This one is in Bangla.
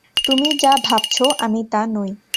তুমি যা ভাবছো, আমি তা নই।